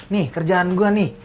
nih kerjaan gue nih